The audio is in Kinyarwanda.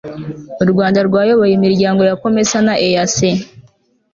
u rwanda rwayoboye imiryango ya comesa na eac